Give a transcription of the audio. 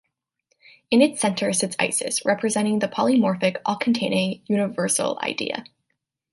In its centre sits Isis representing the polymorphic all-containing Universal Idea.